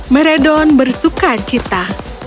meredon bersuka cita